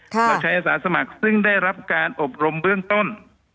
เราใช้อาสาสมัครซึ่งได้รับการอบรมเบื้องต้น